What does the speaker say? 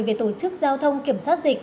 về tổ chức giao thông kiểm soát dịch